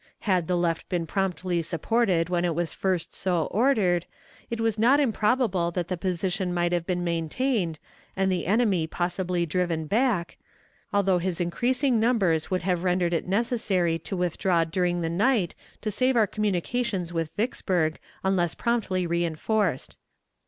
Had the left been promptly supported when it was first so ordered, it is not improbable that the position might have been maintained and the enemy possibly driven back, although his increasing numbers would have rendered it necessary to withdraw during the night to save our communications with Vicksburg unless promptly reënforced.